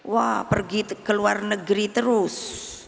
wah pergi ke luar negeri terus